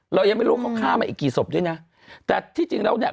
เรายังไม่รู้เขาฆ่ามาอีกกี่ศพด้วยนะแต่ที่จริงแล้วเนี่ย